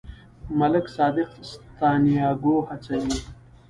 ملک صادق سانتیاګو هڅوي.